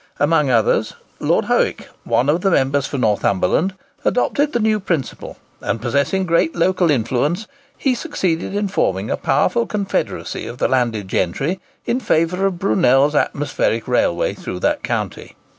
Amongst others, Lord Howick, one of the members for Northumberland, adopted the new principle, and, possessing great local influence, he succeeded in forming a powerful confederacy of the landed gentry in favour of Brunel's atmospheric railway through that county.